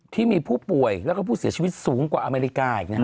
ที่มีผู้ป่วยแล้วก็ผู้เสียชีวิตสูงกว่าอเมริกาอีกนะฮะ